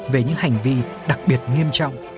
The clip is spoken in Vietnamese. về những hành vi đặc biệt nghiêm trọng